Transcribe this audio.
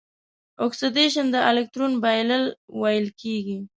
اکسیدیشن د الکترون بایلل ویل کیږي.